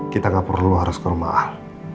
kita gak perlu harus ke rumah al